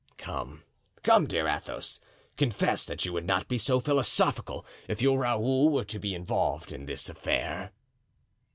"Come, come, dear Athos, confess that you would not be so philosophical if your Raoul were to be involved in this affair."